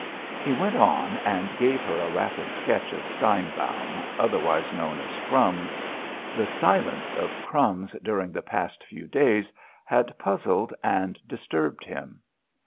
He went on and gave her a rapid sketch of Steinbaum, otherwise known as "Crumbs." The silence of "Crumbs" during the past few days had puzzled and disturbed him.